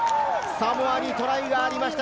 サモアにトライがありました！